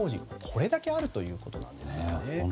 これだけあるということなんですね。